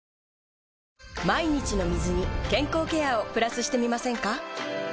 毎日の水に健康ケアをプラスしてみませんか？